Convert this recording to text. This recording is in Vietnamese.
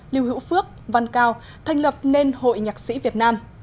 lưu hữu phước văn cao thành lập nên hội nhạc sĩ việt nam